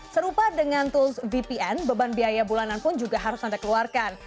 serupa dengan tools vpn beban biaya bulanan pun juga harus anda keluarkan